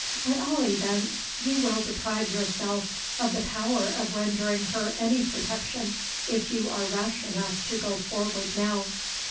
At all events, you will deprive yourself of the power of rendering her any protection, if you are rash enough to go forward now."